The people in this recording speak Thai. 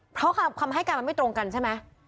เพราะคำให้การมันไม่ตรงกันใช่ไหม